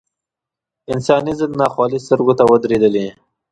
انساني ضد ناخوالې سترګو ته ودرېدلې.